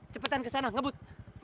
cepetan ke sana ngebut